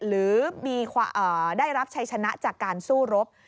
หรือได้รับชัยชนะจากการสู้รบ